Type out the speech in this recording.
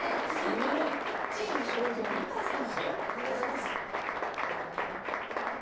チーム正蔵向井さん。